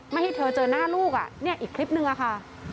ไม่ให้เธอเจอหน้าลูกอ่ะเนี่ยอีกคลิปนึงอะค่ะ